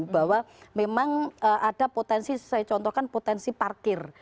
bahwa memang ada potensi saya contohkan potensi parkir